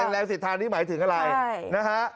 แรงเสียดทานนี้หมายถึงอะไรนะฮะ